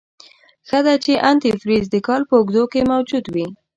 ښه ده چې انتي فریز دکال په اوږدو کې موجود وي.